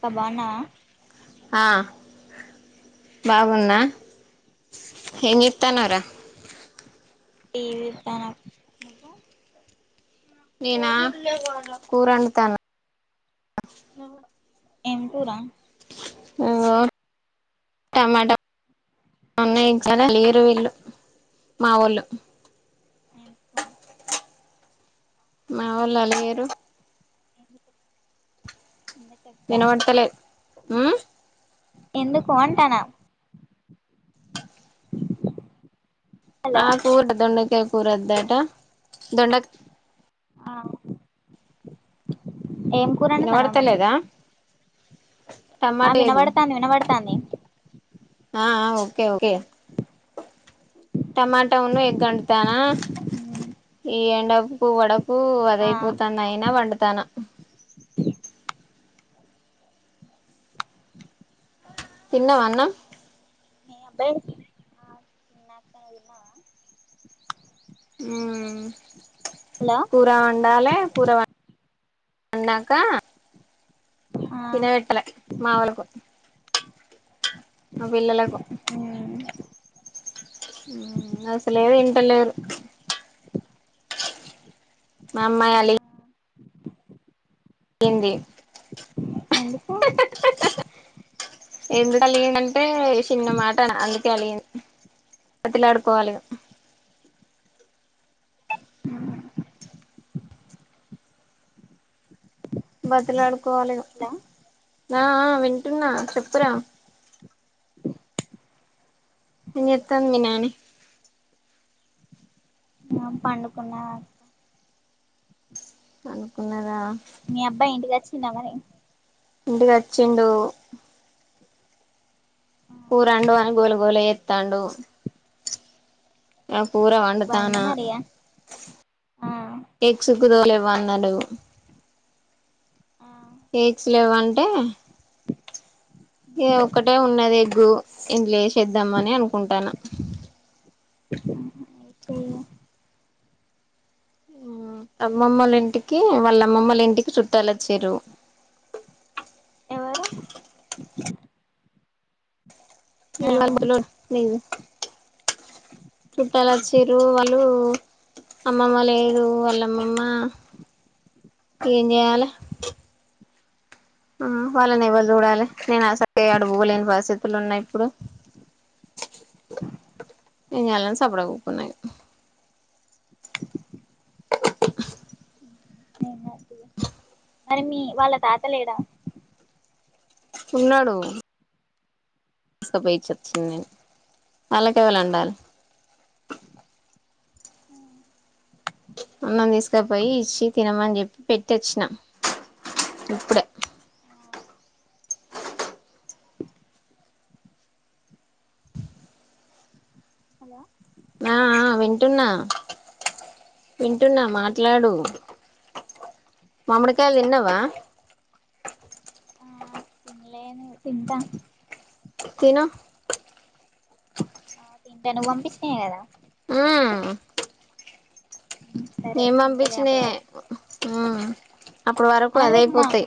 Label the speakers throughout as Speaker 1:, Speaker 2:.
Speaker 1: బాగున్నావా
Speaker 2: ఆ బాగున్నా ఏం చేస్తున్నావ్ రా
Speaker 1: టీవీ చూస్తానా
Speaker 2: నేనా కూర వండుతానా
Speaker 1: ఏం కూర
Speaker 2: ఇంగో టమాటా ఉన్నాయి చాలా లేరు వీళ్ళు మా ఒళ్ళు
Speaker 1: ఎందుకు
Speaker 2: మావోళ్ళు అలిగింర్రు
Speaker 1: ఎందుకు
Speaker 2: వినపడతలే
Speaker 1: ఎందుకు అంటానా హలో
Speaker 2: ఆ కూర దొండకాయ కూర వద్దట దొండ
Speaker 1: ఆ ఏం కూర వండుతానవు మరి
Speaker 2: వినబడతలేదా
Speaker 1: ఆ
Speaker 2: టమాటా ఎగ్
Speaker 1: వినబడతాంది వినబడతాంది
Speaker 2: ఆ ఆ ఓకే ఓకే టమాటా ఉన్ను ఎగ్ వండుతానా ఈ ఎండకు వడకు
Speaker 1: ఆ
Speaker 2: అదయిపోతాన అయినా వండుతాన తిన్నావా అన్నం
Speaker 1: ఆ తిన్నా నువ్వు తిన్నవా హలో
Speaker 2: కూర వండాలే కూర వా అన్నాకా
Speaker 1: ఆ
Speaker 2: తిన పెట్టాలే మా వోళ్లకు మా పిల్లలకు
Speaker 1: మ్
Speaker 2: అసలే తింటలేరూ మమ్మాయాలి ఇంది
Speaker 1: ఎందుకు
Speaker 2: ఎందుకు అలిగింది అంటే చిన్న మాట అన అందుకే అలిగింది బతిలాడుకోవాలి ఇగ బతిలాడుకోవాలి ఇగ
Speaker 1: హలో
Speaker 2: ఆ ఆ వింటున్నా చెప్పురా ఏం చేస్తోంది మీ నాని
Speaker 1: పండుకున్నా
Speaker 2: అనుకున్న
Speaker 1: మీ అబ్బాయి ఇంటికి వచ్చిండా మరి
Speaker 2: ఇంటికి వచ్చిండు కూరండు అని గోల గోల చెత్తాండు ఆ కూర
Speaker 1: వండు
Speaker 2: వండుతానా
Speaker 1: మరి ఇగ ఆ
Speaker 2: ఎగ్స్ కుదోలేవ్వన్నాడు
Speaker 1: ఆ
Speaker 2: ఎగ్స్ లేవంటే ఇగ ఒకటే ఉన్నది ఎగ్గు నేను లేచి వేద్దామనే అనుకుంటానా
Speaker 1: చెయ్యిగా
Speaker 2: అమ్మమ్మల ఇంటికి వాళ్ళ అమ్మముల ఇంటికి చుట్టాలు వచ్చింర్రు
Speaker 1: ఎవరు ఆ
Speaker 2: [unintelligible] చుట్టాలు వచ్చిర్రు వాళ్ళు అమ్మమ్మ లేదు వాళ్ళమ్మమ్మ ఏం చేయాలే ఆ వాళ్ళను ఎవ్వల్ చూడాలే నేను అసలే అడుపోలేని పరిస్థితులు ఉన్నాయి ఇప్పుడు ఏం చేయాలని సప్పుడెక్ ఉకున్నాయిగా
Speaker 1: ఏం కాదు తీ ఇగ మరి మీ వాళ్ళ తాతలేడా
Speaker 2: ఉన్నడు తిసుకపోయి ఇచొచ్చింది అల్లకేవలండాలే
Speaker 1: అ
Speaker 2: అన్నం తీసుకపోయి ఇచ్చి తినమని చెప్పి పెట్టిచ్చినా ఇప్పుడే
Speaker 1: హలో
Speaker 2: ఆ ఆ వింటున్నా వింటున్నా మాట్లాడు మామ్ముడికాయలు తిన్నవా
Speaker 1: ఆ తింన్లెను తింటా
Speaker 2: తిను
Speaker 1: ఆ తింటను పంపించినయే కదా
Speaker 2: ఆ
Speaker 1: సరే
Speaker 2: నేను
Speaker 1: తింటలే అప్పటి
Speaker 2: పంపించినయే
Speaker 1: వరకు
Speaker 2: ఆ అప్పడు వరకు
Speaker 1: అవును మీకు మా
Speaker 2: అదయిపోతాయి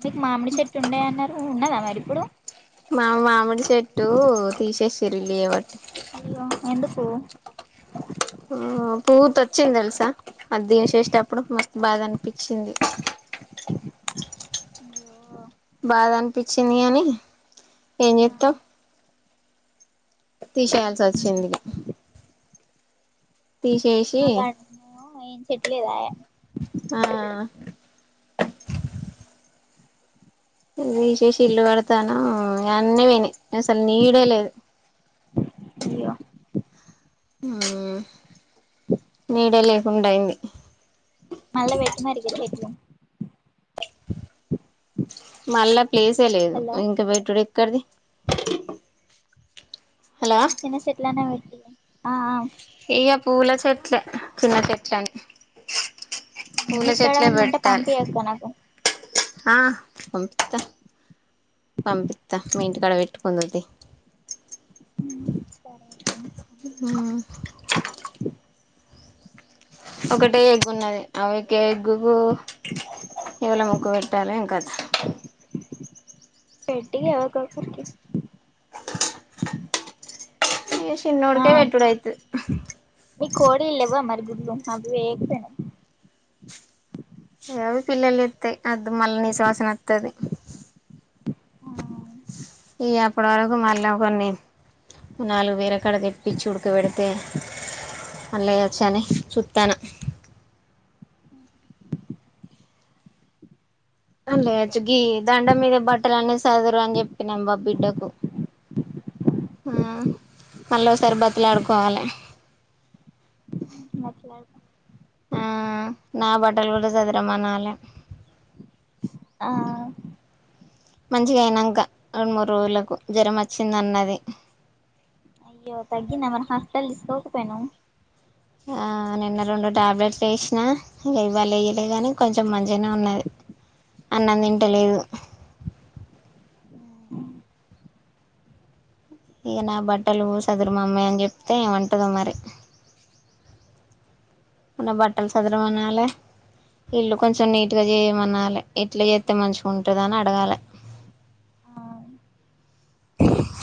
Speaker 1: మీకు మామిడి చెట్టు ఉండే అన్నారు ఉన్నదా మరి ఇప్పుడు
Speaker 2: తిరి లేవడు
Speaker 1: అయ్యో ఎందుకు
Speaker 2: పూత వచ్చింది తెలుసా అది దిషేష్ టప్పుడు మస్తు బాధ అనిపించింది
Speaker 1: అయ్యో
Speaker 2: బాధ అనిపించింది కని ఏం
Speaker 1: ఆ
Speaker 2: చెత్తావ్ తీసేయాల్సి వచ్చిందిక
Speaker 1: మా కంటేనేమో ఏం చెట్టు లేదయే
Speaker 2: ఆ ఇవి తీషేషి ఇల్లు కడతాను ఇగ అన్ని వేనై అసలు నీడే లేదు
Speaker 1: అయ్యో
Speaker 2: మ్మ్ నీడే లేకుండైంది
Speaker 1: మల్ల వేట్టు మారిగ చెట్లు
Speaker 2: మళ్ళా ప్లేసే లేదు
Speaker 1: హలో
Speaker 2: ఇంకా వెట్టుడే క్కడిది
Speaker 1: ఇగ చిన్న చిన్న చేట్లన వెట్ ఇగ ఆ ఆ
Speaker 2: ఇగ పూల చెట్లే చిన్న చెట్లని పూల
Speaker 1: మీకాడ
Speaker 2: చెట్లే
Speaker 1: ఏమన్నా ఉంటే
Speaker 2: వెట్టాలే
Speaker 1: పంపియక్క నాకు
Speaker 2: ఆ పంప్తా పంపిత్త మీ ఇంటికాడ పెట్టుకుందుతి
Speaker 1: సరే
Speaker 2: ఒకటే ఎగ్ ఉన్నది అవికే ఎగ్గుకు ఎవల ముక్క పెట్టాలే ఎమ్ కథ
Speaker 1: పెట్టిగా ఎవరికొ ఒకరికీ
Speaker 2: ఇగ షిన్నోడుకే పెట్టుడయితది
Speaker 1: మీ కోడి లేవ్వ మరి గుడ్లు అవి వేయకపెనవ్
Speaker 2: ఏ అవి పిల్లలు చెత్తాయి అద్దు మల్ల నీసు వాసన అత్తది ఇ అప్పడి వరకు మళ్ళా ఒకరిని నాలుగు వేరెకాడ తెప్పించి ఉడకవేడితే అల్లేయచ్చని సుత్తనా లేయచు గీ దండం మీద బట్టలు అన్నీ సదురు అని చెప్పినాం మా బిడ్డకు ఆ మల్లోసారి బతులాడుకోవాలే
Speaker 1: మట్లాడు
Speaker 2: ఆ నా బట్టలు కూడా సదరమనాలె
Speaker 1: ఆ
Speaker 2: మంచిగయినంక రెండు మూడు రోజులకు జ్వరం వచ్చిందన్నది
Speaker 1: అయ్యో తగ్గిందా మరి హాస్పిటల్ తీసకపోక పొయినవ్
Speaker 2: ఆ నిన్న రెండు టాబ్లెట్లు వేసిన ఇక ఇవాలేయలే గాని కొంచెం మంచిగనే ఉన్నది అన్నం తింట లేదు ఇక నా బట్టలు సదురు మమ్మీ అని చెప్తే ఏమ్ అంటదొ మరి వు నా బట్టలు సదర మనాలే ఇల్లు కొంచెం నీట్గా చేయమనాలి ఎట్ల చెత్తే మంచిగా ఉంటుందని అడగాలే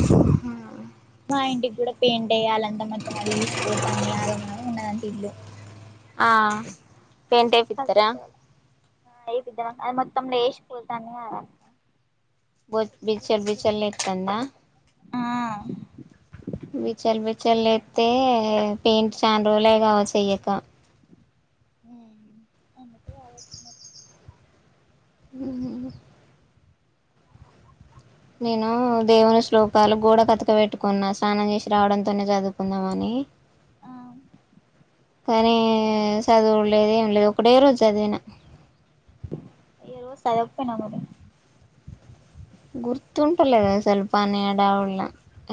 Speaker 2: హా
Speaker 1: మా ఇంటికి కూడా పెయింట్ ఎయ్యాల అంత మొత్తం అది ఊసిపోతాంది ఆగమాగం ఉన్నదంత ఇల్లు
Speaker 2: ఆ పెయింట్ ఎపిత్తరా
Speaker 1: ఆ ఏపిదం అది మొత్తం లేష్ పోతంది కాదక్కా
Speaker 2: బొత్ బిచల్ బిచల్ లేతందా
Speaker 1: ఆ
Speaker 2: బిచల్ బిచల్ చల్ లేతే పెయింట్ చాన్ రోజులయే కావచ్చు ఎయ్యక
Speaker 1: ఊ అందుకే కావచ్చు మరి
Speaker 2: ఊహు నేను దేవుని శ్లోకాలు గోడ కతక పెట్టుకున్నా స్నానం చేసి రావడంతోనే చదువుకుందామని.
Speaker 1: ఆ
Speaker 2: కానీ చదువుడు లేదు ఏం లేదు ఒకటే రోజు చదివిన
Speaker 1: ఇగ రోజు చదవపోయినవ్ మరి
Speaker 2: గుర్తుంట లేదసలు పని అడావుళ్ళ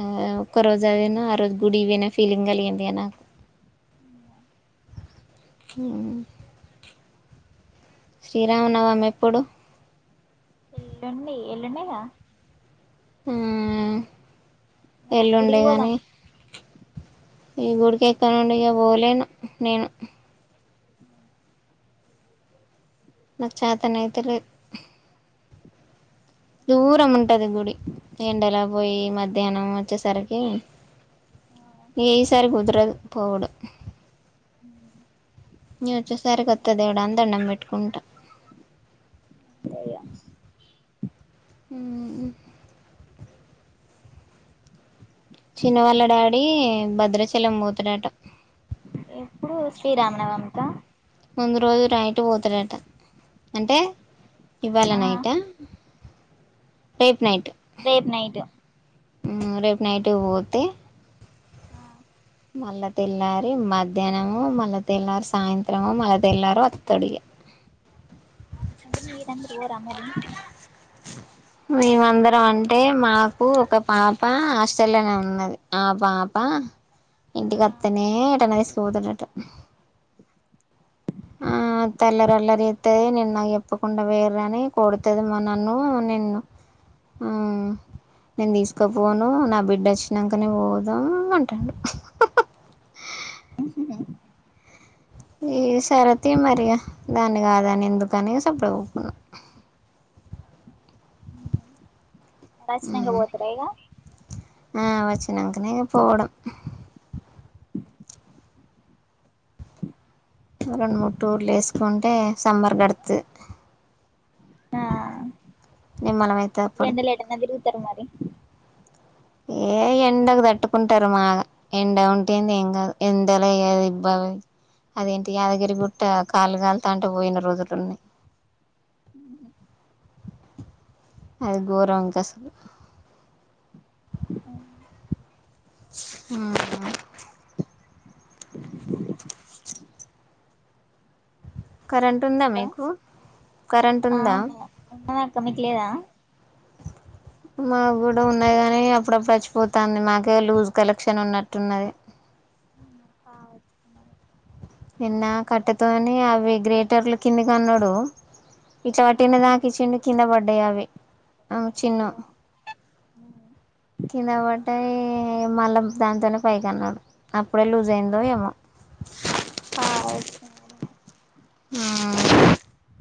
Speaker 2: ఆ ఒక్క రోజు చదివిన ఆ రోజు గుడివేనా ఫీలింగ్ కలిగింది ఇగ నాకు
Speaker 1: అమ్మో
Speaker 2: ఊ శ్రీరామనవమి ఎప్పుడు
Speaker 1: ఎల్లుండి ఎల్లుండే గా
Speaker 2: ఆ
Speaker 1: మరి
Speaker 2: ఎల్లుండే
Speaker 1: గుడికి పోదాం
Speaker 2: గని ఈ గుడికి ఇక్క నుండి ఇక పోలేను నేను
Speaker 1: అవునా
Speaker 2: నాక్ చాతనైతలేద్ దూరం ఉంటది గుడి ఎండలా పోయి మధ్యాహ్నం వచ్చేసరికి ఇగ ఈ సారి కుదరదు పోవుడు
Speaker 1: అవును
Speaker 2: నేన్ వచ్చేసరికి ఒత్త దేవుడా అని దండం పెట్టుకుంటా
Speaker 1: అంతేగా మరి
Speaker 2: ఊ ఉ చిన్న వాళ్ళ డాడీ భద్రాచలం పోతడట
Speaker 1: ఎప్పుడు శ్రీరామనవమ్ కా
Speaker 2: ముందు రోజు రైట్ పోతారట అంటే ఇవ్వాల
Speaker 1: ఆ
Speaker 2: నైట రేపు నైట్
Speaker 1: రేపు నైట్
Speaker 2: ఊ రేపు నైట్ పోతే
Speaker 1: ఆ
Speaker 2: మళ్ళా తెల్లారి మధ్యాహ్నమో మళ్ళా తెల్లారి సాయంత్రమో మళ్ళా తెల్లారి వత్తడిగా
Speaker 1: ఎందుకు మీరందరు పోరా మరి
Speaker 2: మేమందరం అంటే మాకు ఒకప్ పాప ఆస్టలనే ఉన్నది ఆ పాప పాప ఇంటికి
Speaker 1: ఆ
Speaker 2: అతనే ఎటన్న తీసుకపోతడట తల్లర అల్లరి ఏతది నేన్ నాకు చెప్పకుండా వేరని కొడుతది మా నన్ను నిన్ను ఆ నేను దీసకపోను నా బిడ్డ అచ్చినాంకనే పోతా అంటాండు ఈ సారొత్తే మరి ఇగ దాన్ని కాద అని ఎందుకని సప్పుడు [unintelligible]
Speaker 1: [unintelligible] బొతార ఇగ
Speaker 2: వచ్చినంకనే పోవడం రెండు మూడు టూర్లు ఏసుకుంటే సమ్మర్ గడత్తది
Speaker 1: ఆ
Speaker 2: నిమ్మలం అయితది
Speaker 1: ఈ
Speaker 2: అప్పటికి
Speaker 1: ఎండలో ఎటన్న దిరుగుతారు మరి
Speaker 2: ఏ ఏ ఎండ తట్టుకుంటారు మాగా ఎండ వొంటింది ఏం గాదు ఎండలో [unintelligible] అదేంటి యాదగిరి గుట్ట కాలుగాల్తాంటే పోయిన రోజులున్నాయ్
Speaker 1: అ
Speaker 2: అది ఘోరం ఇంకా అసలు
Speaker 1: అ
Speaker 2: ఆహ కరెంటుందా
Speaker 1: హలో
Speaker 2: మీకు కరెంటు
Speaker 1: ఆ
Speaker 2: ఉందా
Speaker 1: ఉన్నదా ఉన్నదక్క మీకు లేదా
Speaker 2: మాకు గూడా ఉన్నాయి గాని అప్పుడప్పుడు వచ్చిపోతాంది మాకే లూజ్ కలెక్షన్ ఉన్నట్టున్నది
Speaker 1: [unintelligible]
Speaker 2: నిన్న కట్టెతోని అవి గ్రేటర్లు కింది కన్నాడు
Speaker 1: ఆ
Speaker 2: పిచ్చవట్టినదానికి ఇచ్చిండు కింద బడ్డాయ్ అవి
Speaker 1: అయ్యో ఉ
Speaker 2: కిందవడ్డాయ్ మళ్ళా దాంతోనే పైకి అన్నాడు అప్పుడే లూజ్ అయిందో ఏమో
Speaker 1: ఆ వచ్చా అని [unintelligible]
Speaker 2: ఆ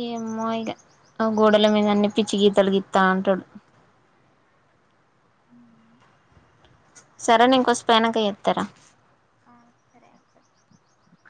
Speaker 2: ఏమో ఇగ ఆ గోడల మీద అన్ని పిచ్చి గీతలు గీత్తాంటడు
Speaker 1: హ
Speaker 2: సరే నే ఇంకోసిపోయినాంక ఎత్తర
Speaker 1: ఆ సరే [inaudible]